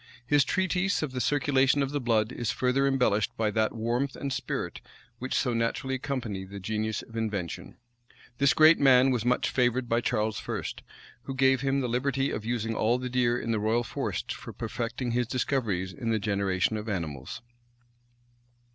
His treatise of the circulation of the blood is further embellished by that warmth and spirit which so naturally accompany the genius of invention. This great man was much favored by Charles I., who gave him the liberty of using all the deer in the royal forests for perfecting his discoveries on the generation of animals.